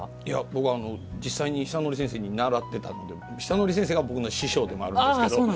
僕、実際に永謹先生に習ってたので永謹先生が僕の師匠でもあるんですけど。